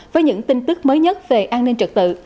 với những tin tức mới nhất về an ninh trật tự